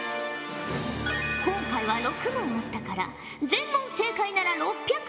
今回は６問あったから全問正解なら６００